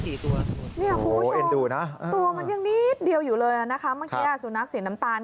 ตัวมันยังนิดเดียวอยู่เลยนะครับสุนัขสีน้ำตาล